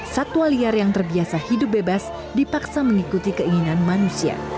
satwa liar yang terbiasa hidup bebas dipaksa mengikuti keinginan manusia